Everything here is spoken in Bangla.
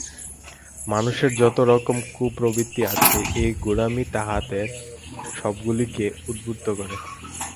মানুষের যত রকম কুপ্রবৃত্তি আছে, এই গোঁড়ামি তাহাদের সবগুলিকে উদ্বুদ্ধ করে।